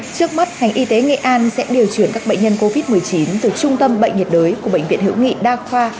trước mắt ngành y tế nghệ an sẽ điều chuyển các bệnh nhân covid một mươi chín từ trung tâm bệnh nhiệt đới của bệnh viện hữu nghị đa khoa